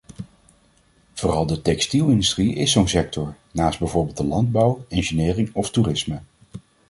Vooral de textielindustrie is zo'n sector, naast bijvoorbeeld de landbouw, engineering of toerisme.